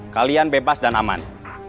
kalian bebas dan aman